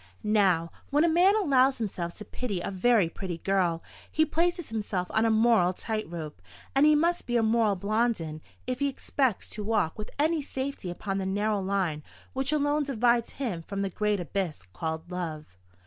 Now, when a man allows himself to pity a very pretty girl, he places himself on a moral tight rope; and he must be a moral Blondin if he expects to walk with any safety upon the narrow line which alone divides him from the great abyss called love.